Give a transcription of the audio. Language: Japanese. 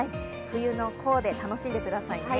冬のコーデ、楽しんでくださいね。